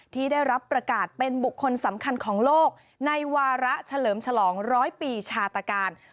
ที่ได้รับประกาศเป็นบุคคลสำคัญของโลกในวาระเฉลิมฉลองร้อยปีชาตการ